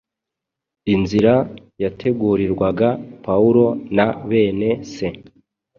Inzira yategurirwaga Pawulo na bene se